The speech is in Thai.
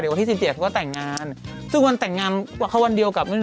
เดี๋ยววันที่๑๗ก็แต่งงานซึ่งวันแต่งงานเข้าวันเดียวกับคุณแอร์